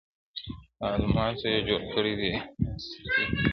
د الماسو یې جوړ کړی دی اصلي دی-